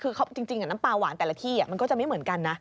คือจริงน้ำปลาหวานแต่ละที่มันก็จะไม่เหมือนกันนะ